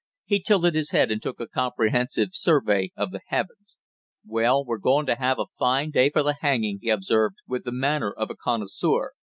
He tilted his head and took a comprehensive survey of the heavens. "Well, we're going to have a fine day for the hanging," he observed, with the manner of a connoisseur.